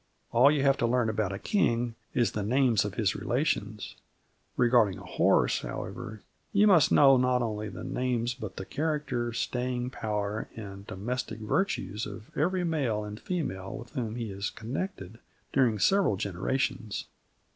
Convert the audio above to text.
All you have to learn about a king is the names of his relations: regarding a horse, however, you must know not only the names but the character, staying power and domestic virtues of every male and female with whom he is connected during several generations.